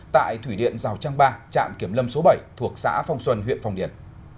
tại thủy điện rào trang ba trạm kiểm lâm số bảy thuộc xã phong xuân huyện phong điền